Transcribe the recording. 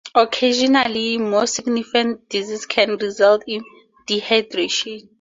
Occasionally more significant disease can result in dehydration.